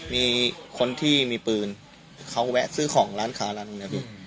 มีคนที่มีปืนเขาแวะซื้อของร้านค้าร้านนี้พี่